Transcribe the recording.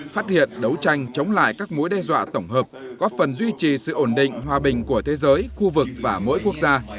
phát hiện đấu tranh chống lại các mối đe dọa tổng hợp góp phần duy trì sự ổn định hòa bình của thế giới khu vực và mỗi quốc gia